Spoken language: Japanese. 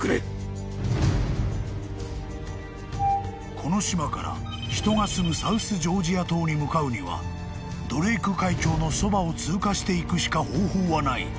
［この島から人が住むサウスジョージア島に向かうにはドレーク海峡のそばを通過していくしか方法はない］